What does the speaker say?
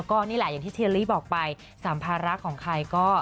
เก็บด้านล่างโหลดเอา